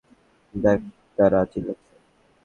দেখ তারা চিল্লাচ্ছে!